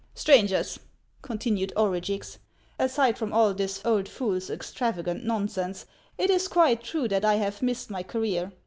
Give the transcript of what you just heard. — Stran gers," continued Orugix, " aside from all this old fool's extravagant nonsense, it is quite true that I have missed my career.